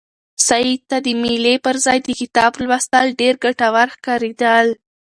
سعید ته د مېلې پر ځای د کتاب لوستل ډېر ګټور ښکارېدل.